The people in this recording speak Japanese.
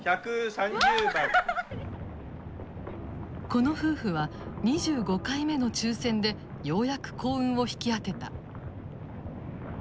この夫婦は２５回目の抽選でようやく幸運を引き当てた。